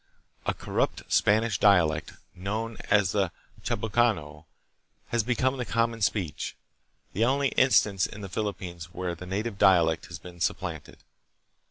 A corrupt Spanish dialect, known as the "Chabucano," has become the common speech, the only instance in the Philippines where the native dialect has been supplanted.